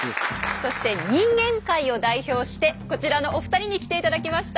そして人間界を代表してこちらのお二人に来ていただきました。